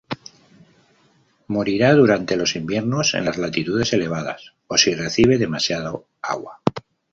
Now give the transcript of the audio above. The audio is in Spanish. Morirá durante los inviernos en las latitudes elevadas o si recibe demasiado agua.